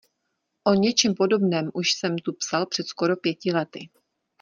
O něčem podobném už jsem tu psal před skoro pěti lety.